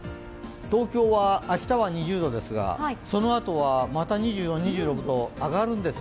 東京は明日は２０度ですがそのあとはまた２４、２６と上がるんです。